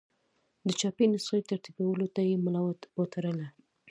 د چاپي نسخې ترتیبولو ته یې ملا وتړله.